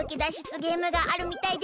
ゲームがあるみたいです！